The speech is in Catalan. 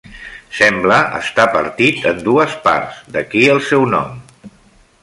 Sembla estar partit en dues parts, d'aquí el seu nom.